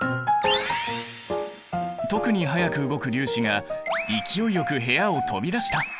特に速く動く粒子が勢いよく部屋を飛び出した！